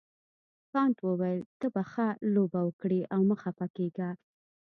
کانت وویل ته به ښه لوبه وکړې او مه خفه کیږه.